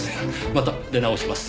また出直します。